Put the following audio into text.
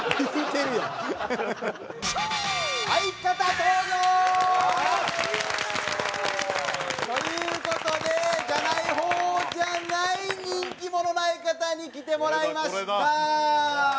ハハハハ！という事でじゃない方じゃない人気者の相方に来てもらいました！